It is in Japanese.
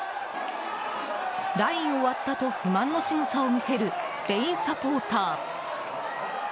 ラインを割ったと不満のしぐさを見せるスペインサポーター。